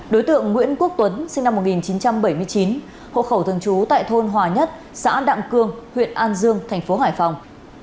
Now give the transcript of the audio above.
đối tượng nguyễn quốc tuấn sinh năm một nghìn chín trăm bảy mươi chín hộ khẩu thường trú tại thôn hòa nhất xã đặng cương huyện an dương thành phố hải phòng